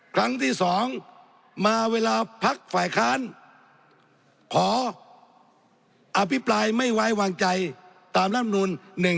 ครั้งที่๒มาเวลาพักฝ่ายค้านขออภิปรายไม่ไว้วางใจตามร่ำนูล๑๕